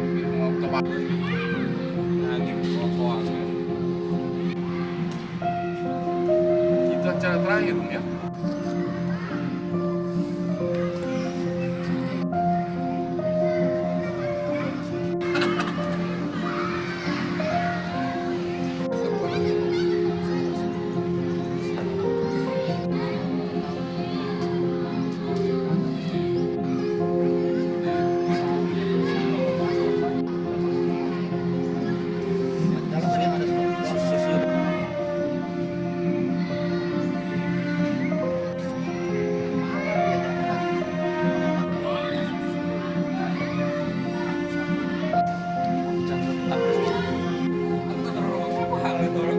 siapu ilmu takut ilmu kemarin